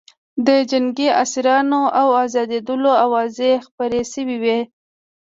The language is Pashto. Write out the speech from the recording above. د جنګي اسیرانو د ازادېدلو اوازې خپرې شوې وې